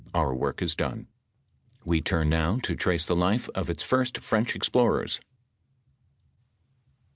Our work is done. We turn now to trace the life of its first French explorers.